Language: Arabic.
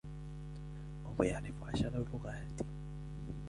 هو يعرف عشرة لغات.